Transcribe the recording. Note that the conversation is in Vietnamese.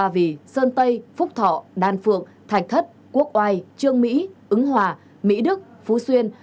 ba vì sơn tây phúc thọ đan phượng thạch thất quốc oai trương mỹ ứng hòa mỹ đức phú xuyên